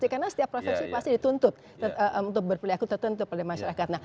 karena setiap profesi pasti dituntut untuk berpilih akut tertentu pada masyarakat